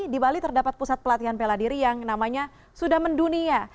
di bali terdapat pusat pelatihan bela diri yang namanya sudah mendunia